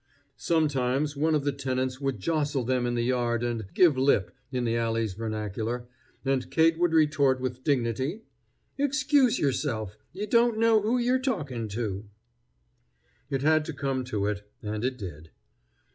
Sometimes one of the tenants would jostle them in the yard and "give lip," in the alley's vernacular, and Kate would retort with dignity: "Excuse yerself. Ye don't know who yer talkin' to." It had to come to it, and it did.